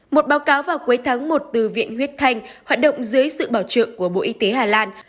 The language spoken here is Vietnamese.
một báo cáo vào cuối tháng một từ viện huyết thanh hoạt động dưới sự bảo trợ của bộ y tế hà lan